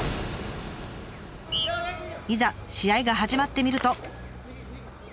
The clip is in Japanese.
いざ試合が始まってみると。